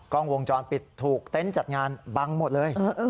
กล้องวงจรปิดถูกเต็นต์จัดงานบังหมดเลย